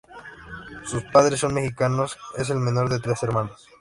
Sus padres son mexicanos, es el menor de tres hermanos.